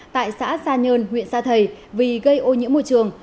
tại xã sa nhơn huyện sa thầy vì gây ô nhiễm môi trường